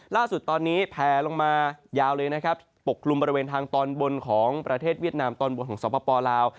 ล่าสุดตอนนี้แผลลงมายาวเลยนะครับปกกลุ่มบริเวณทางตอนบนของประเทศเวียดนามตอนบนของสปลาว